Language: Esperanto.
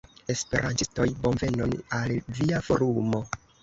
Esperantistoj, bonvenon al via Forumo!